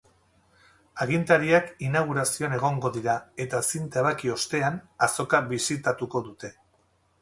Agintariak inaugurazioan egongo dira eta zinta ebaki ostean, azoka bisitatuko dute.